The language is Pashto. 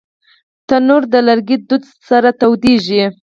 تنور د لرګي دود سره تودېږي